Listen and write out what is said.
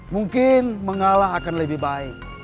mungkin mengalah akan lebih baik